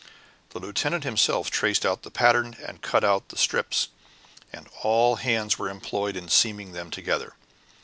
The lieutenant himself traced out the pattern and cut out the strips, and all hands were employed in seaming them together.